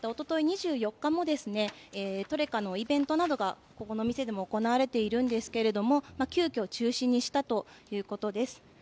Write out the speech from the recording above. ２４日も、トレカのイベントなどが、ここの店でも行われているんですけれども、急きょ中止にしたということです。